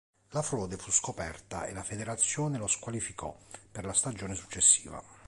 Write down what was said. La frode fu scoperta, e la federazione lo squalificò per la stagione successiva.